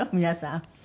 皆さん。